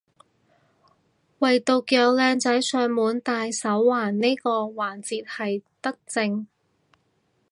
惟獨有靚仔上門戴手環呢個環節係德政